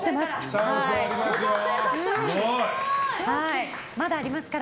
チャンスありますよ。